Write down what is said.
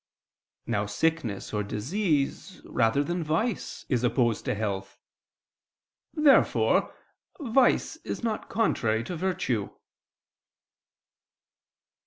Now sickness or disease, rather than vice, is opposed to health. Therefore vice is not contrary to virtue.